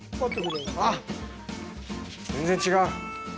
あっ、全然違う。